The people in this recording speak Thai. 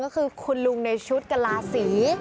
ก็คือคุณลุงในชุดกลาศรี